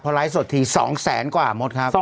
เพราะไลฟ์สดที๒แสนกว่าหมดครับ